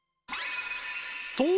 そう！